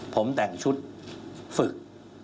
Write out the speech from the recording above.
ผมแต่งชุดฝึก